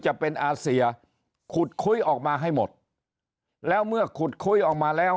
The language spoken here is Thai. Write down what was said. จะเป็นอาเซียขุดคุ้ยออกมาให้หมดแล้วเมื่อขุดคุยออกมาแล้ว